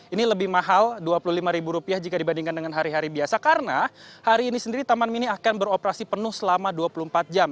ini lebih mahal rp dua puluh lima jika dibandingkan dengan hari hari biasa karena hari ini sendiri taman mini akan beroperasi penuh selama dua puluh empat jam